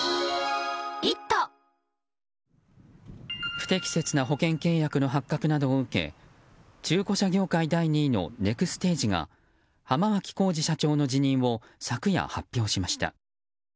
不適切な保険契約の発覚などを受け中古車業界第２位のネクステージが浜脇浩次社長の辞任を昨夜、発表しました。